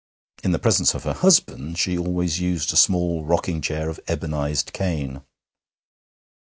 In the presence of her husband she always used a small rocking chair of ebonized cane.